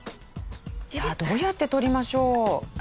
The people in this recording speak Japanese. さあどうやって取りましょう？